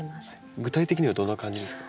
具体的にはどんな感じですか？